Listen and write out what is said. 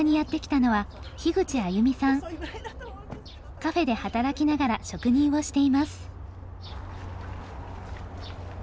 カフェで働きながら職人をしています。